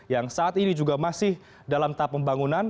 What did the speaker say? yang saat ini juga masih dalam tahap pembangunan